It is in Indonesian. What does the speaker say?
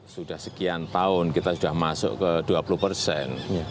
sudah sekian tahun kita sudah masuk ke dua puluh persen